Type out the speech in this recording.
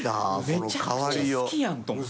めちゃくちゃ好きやんと思って。